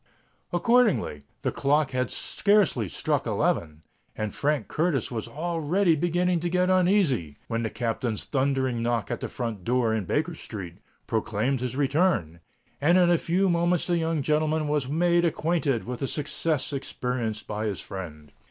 Accordingly, the clock had scarcely struck eleven, and Frank Curtis was already beginning to get uneasy, when the Captain's thundering knock at the front door in Baker Street, proclaimed his return; and in a few moments the young gentleman was made acquainted with the success experienced by his friend.